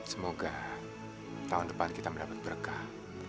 semoga tahun depan kita mendapat berkah